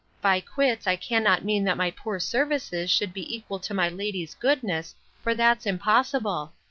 —By quits, I cannot mean that my poor services should be equal to my lady's goodness; for that's impossible.